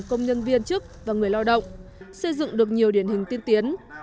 công nhân viên chức và người lao động xây dựng được nhiều điển hình tiên tiến